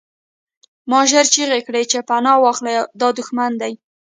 ما ژر چیغې کړې چې پناه واخلئ دا دښمن دی